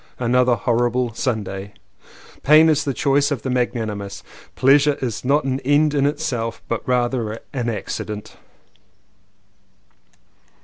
Another horrible Sunday. "Pain is the choice of the magnanimous." "Pleasure is not an end in itself but rather an accident."